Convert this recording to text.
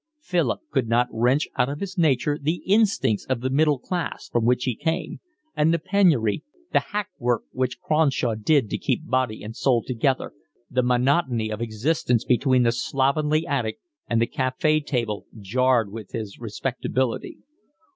Philip could not wrench out of his nature the instincts of the middle class from which he came; and the penury, the hack work which Cronshaw did to keep body and soul together, the monotony of existence between the slovenly attic and the cafe table, jarred with his respectability.